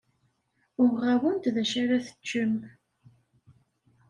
Uɣeɣ-awen-d d acu ara teččem.